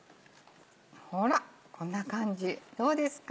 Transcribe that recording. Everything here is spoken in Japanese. ほらっこんな感じどうですか？